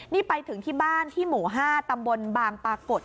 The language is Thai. นี่ไปถึงที่บ้านที่หมู่๕ตำบลบางปรากฏ